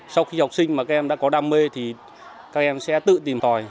sau khi học sinh mà các em đã có đam mê thì các em sẽ tự tìm tòi